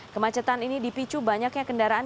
kemacetan ini dipicu banyaknya kendaraan